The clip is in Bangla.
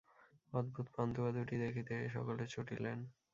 অদ্ভুত পান্তুয়া দুইটি দেখিতে সকলে ছুটিলেন।